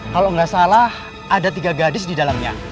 kalau nggak salah ada tiga gadis di dalamnya